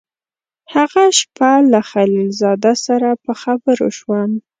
هغه شپه له خلیل زاده سره په خبرو شوم.